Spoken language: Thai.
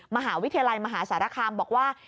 มหาวิทยาลัยมหาสารคามบอกว่า